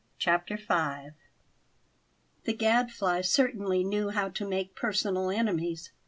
CHAPTER V. THE Gadfly certainly knew how to make personal enemies.